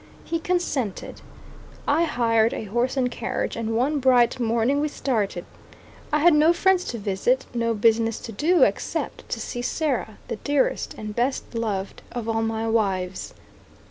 He consented; I hired a horse and carriage, and one bright morning we started. I had no friends to visit, no business to do, except to see Sarah the dearest and best loved of all my wives.